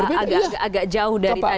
agak jauh dari tadi yang disampaikan